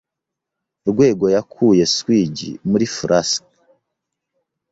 Rwego yakuye swig muri flask.